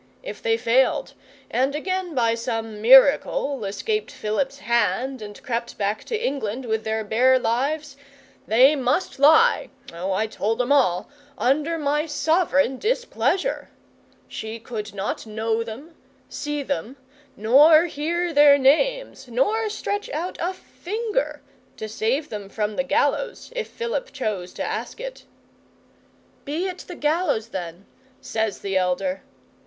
If they failed, and again by some miracle escaped Philip's hand, and crept back to England with their bare lives, they must lie oh, I told 'em all under my sovereign displeasure. She could not know them, see them, nor hear their names, nor stretch out a finger to save them from the gallows, if Philip chose to ask it. '"Be it the gallows, then," says the elder.